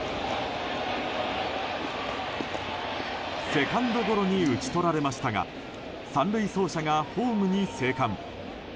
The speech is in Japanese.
セカンドゴロに打ち取られましたが３塁走者がホームに生還。